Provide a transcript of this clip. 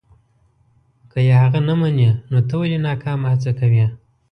که یې هغه نه مني نو ته ولې ناکامه هڅه کوې.